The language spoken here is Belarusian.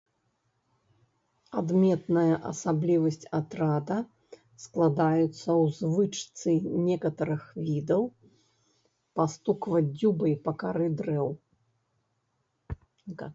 Адметная асаблівасць атрада складаецца ў звычцы некаторых відаў пастукваць дзюбай па кары дрэў.